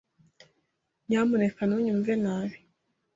Nyamuneka ntunyumve nabi.